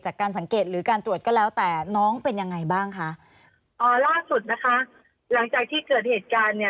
จากการสังเกตหรือการตรวจก็แล้วแต่น้องเป็นยังไงบ้างคะอ่าล่าสุดนะคะหลังจากที่เกิดเหตุการณ์เนี่ย